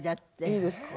いいですか？